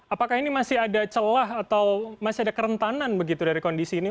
apakah ini masih ada celah atau masih ada kerentanan begitu dari kondisi ini